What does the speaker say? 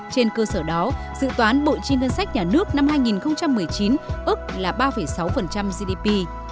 trên cơ sở đó dự toán bộ chi ngân sách nhà nước năm hai nghìn một mươi chín ước là ba sáu gdp